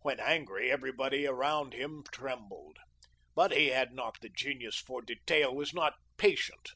When angry, everybody around him trembled. But he had not the genius for detail, was not patient.